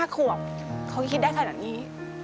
๕ขวบเขาคิดได้แข็งแบบนี้